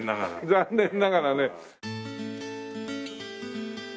残念ながらね。